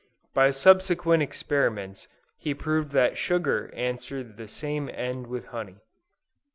By subsequent experiments he proved that sugar answered the same end with honey.